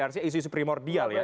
artinya isu isu primordial ya